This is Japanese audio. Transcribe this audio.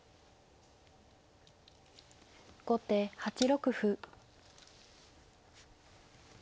後手８六歩。